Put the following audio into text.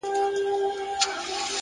ويل يې غواړم ځوانيمرگ سي!!